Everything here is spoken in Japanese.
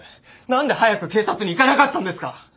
何で早く警察に行かなかったんですか！？